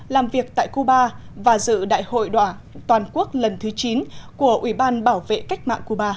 làm việc tại cuba và dự đại hội đoàn toàn quốc lần thứ chín của ủy ban bảo vệ cách mạng cuba